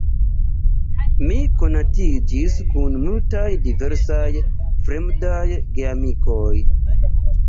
Mi konatiĝis kun multaj diversaj fremdaj geamikoj.